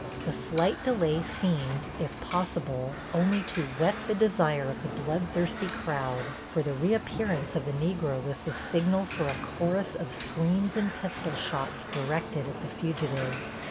The slight delay seemed, if possible, only to whet the desire of the bloodthirsty crowd, for the reappearance of the Negro was the signal for a chorus of screams and pistol shots directed at the fugitive.